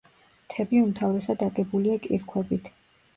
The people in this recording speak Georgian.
მთები უმთავრესად აგებულია კირქვებით.